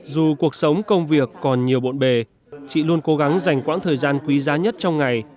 dù cuộc sống công việc còn nhiều bộn bề chị luôn cố gắng dành quãng thời gian quý giá nhất trong ngày